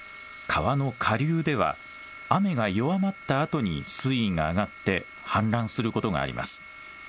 川の下流では雨が弱まったあとに水位が上がって氾濫することがあります。